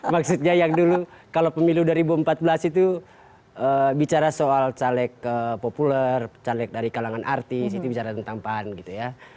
maksudnya yang dulu kalau pemilu dua ribu empat belas itu bicara soal caleg populer caleg dari kalangan artis itu bicara tentang pan gitu ya